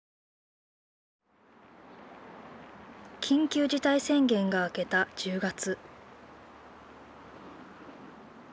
緊急事態宣言が明けた１０月。